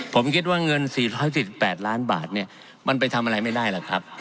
ผมคิดว่าเงิน๔๔๘ล้านบาทเนี่ยมันไปทำอะไรไม่ได้หรอกครับ